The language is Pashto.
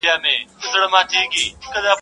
تر کورني سړي، گښته خر ښه دئ.